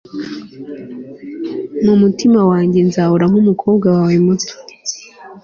mu mutima wanjye nzahora nkumukobwa wawe muto